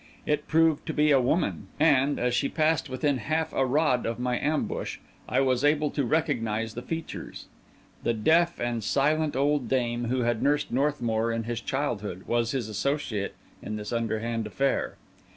It proved to be a woman; and, as she passed within half a rod of my ambush, I was able to recognise the features. The deaf and silent old dame, who had nursed Northmour in his childhood, was his associate in this underhand affair.